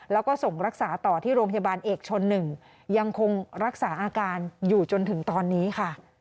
แล้วก็ส่งรักษาต่อที่โรงพยาบาลเอกชน๑ยังคงรักษาอาการอยู่จนถึงตอนนี้ค่ะ